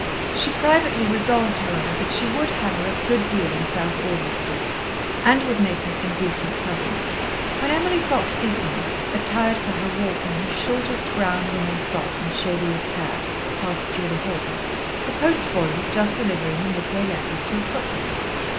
She privately resolved, however, that she would have her a good deal in South Audley Street, and would make her some decent presents. When Emily Fox Seton, attired for her walk in her shortest brown linen frock and shadiest hat, passed through the hall, the post boy was just delivering the midday letters to a footman.